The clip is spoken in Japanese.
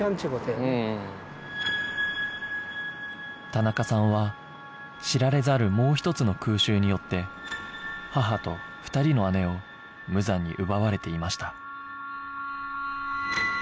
田中さんは知られざるもう一つの空襲によって母と２人の姉を無残に奪われていました